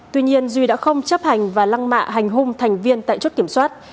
tuy nhiên duy đã không chấp hành và lăng mạ hành hung thành viên tại chốt kiểm soát